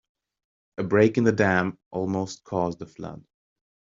A break in the dam almost caused a flood.